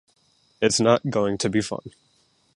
It's not going to be fun.